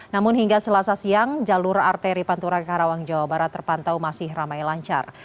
namun hingga selasa siang jalur arteri pantura karawang jawa barat terpantau masih ramai lancar